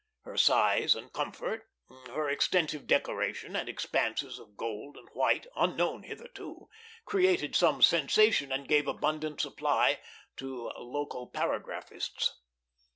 Her size and comfort, her extensive decoration and expanses of gold and white, unknown hitherto, created some sensation, and gave abundant supply to local paragraphists.